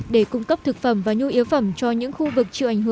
để cung cấp thực phẩm và nhu yếu phẩm cho những khu vực